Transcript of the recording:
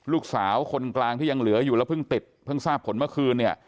ลูกสาวคนกลางที่ยังเหลืออยู่แล้วเพิ่งติดเพิ่งทราบผลเมื่อคืนเนี่ย